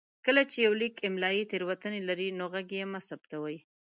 کله چې يو ليک املايي تېروتنې لري نو غږ يې مه ثبتوئ.